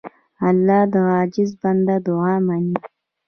الله د عاجز بنده دعا منې.